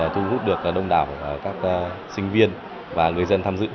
thu hút được đông đảo các sinh viên và người dân tham dự